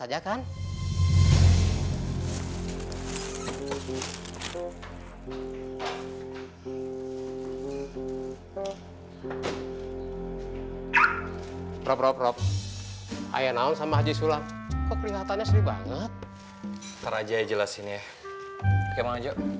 ya kan hai rob rob rob ayah naon sama haji sulam kok kelihatannya seru banget terajai jelasin ya